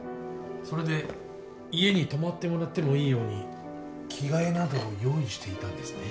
それで家に泊まってもらってもいいように着替えなどを用意していたんですね。